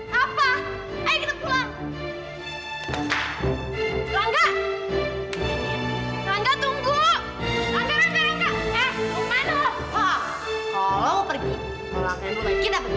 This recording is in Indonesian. hah kalau mau pergi kita pergi